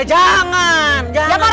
eh jangan jangan